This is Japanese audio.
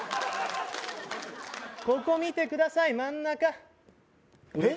ここ見てください真ん中えっ？